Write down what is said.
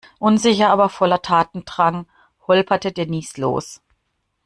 Unsicher, aber voller Tatendrang holperte Denise los.